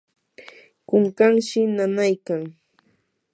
kunkanshi nanaykan.